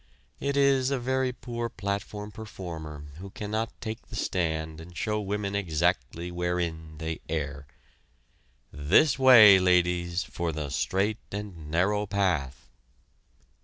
It is a very poor platform performer who cannot take the stand and show women exactly wherein they err. "This way, ladies, for the straight and narrow path!"